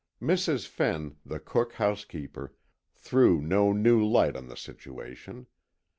Mrs. Fenn, the cook housekeeper, threw no new light on the situation.